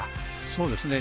そうですね。